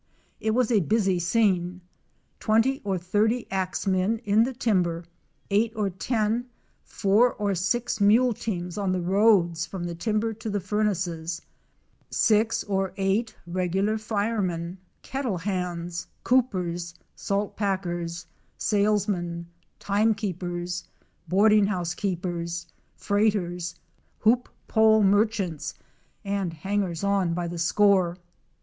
It was a busy scene; 20 or 30 axe men in the timber, eight or ten four or six mule teams on the roads from the timber to the furnaces, six or eight regular firemen, kettle hands, coopers, salt packers, salesmen, time keepers, boarding house keepers, freighters, hoop pole merchants, and hangers on by the score.